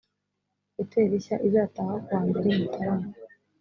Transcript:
hotelishya izatahwa ku wa mbere mutarama .